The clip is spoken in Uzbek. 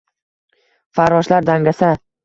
Farroshlar dangasa –